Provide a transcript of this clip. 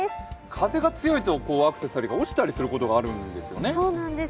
風が強いとアクセサリーが落ちたりすることがあるんですよね。